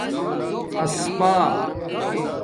اَس پݳ